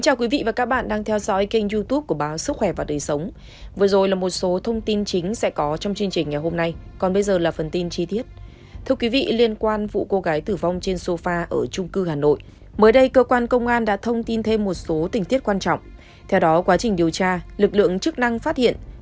các bạn hãy đăng kí cho kênh lalaschool để không bỏ lỡ những video hấp dẫn